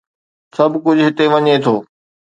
سڀ ڪجهه هتي وڃي ٿو.